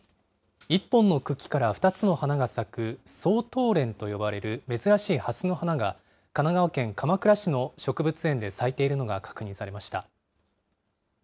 １本の茎から２つの花が咲く双頭蓮と呼ばれる珍しいハスの花が、神奈川県鎌倉市の植物園で咲いているのが確認されました。